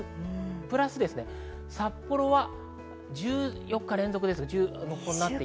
プラス札幌は１４日連続、真夏日です。